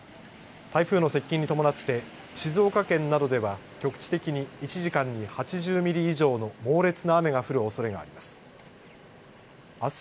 台風の接近に伴って静岡県などでは局地的に１時間に８０ミリ以上の猛烈な雨が降るおそれがあります。